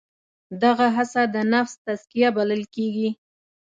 دغه هڅه د نفس تزکیه بلل کېږي.